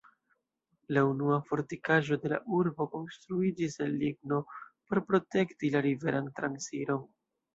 La unua fortikaĵo de la urbo konstruiĝis el ligno, por protekti la riveran transiron.